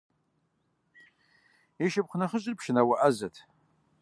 И шыпхъу нэхъыжьыр пшынауэ Ӏэзэт.